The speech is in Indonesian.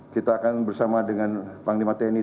kita akan bersama dengan panglima tni dan pembangunan